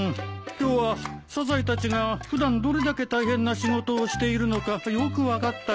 今日はサザエたちが普段どれだけ大変な仕事をしているのかよく分かったよ。